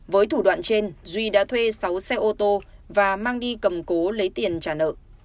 với thủ đoạn trên duy đã thuê sáu xe ô tô và mang đi cầm cố lấy tiền trả nợ